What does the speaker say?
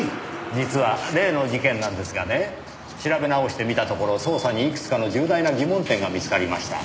実は例の事件なんですがね調べ直してみたところ捜査にいくつかの重大な疑問点が見つかりました。